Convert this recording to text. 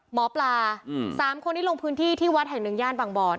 หมอปลา๓คนที่ลงพื้นที่ที่วัดแห่งหนึ่งย่านบางบอน